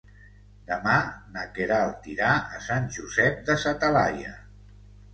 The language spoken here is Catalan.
Demà na Queralt irà a Sant Josep de sa Talaia.